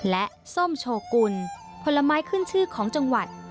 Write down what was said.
และส้มโชกุลผลไม้ขึ้นชื่อของจังหวัด